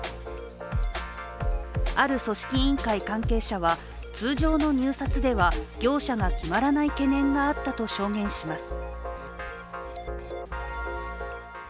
ある組織委員会関係者は、通常の入札では業者が決まらない懸念があったと証言します。